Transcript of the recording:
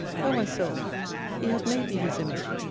O my Soul, He hath made thee His Image.